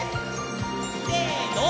せの！